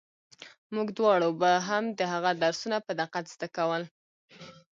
موږ دواړو به هم د هغه درسونه په دقت زده کول.